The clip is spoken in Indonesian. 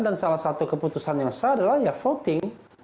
dan salah satu keputusan yang sah adalah ya voting